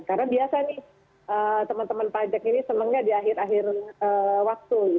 karena biasa nih teman teman pajak ini semangat di akhir akhir waktu